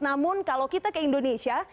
namun kalau kita ke indonesia